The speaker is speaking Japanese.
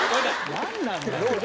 何なんだよ。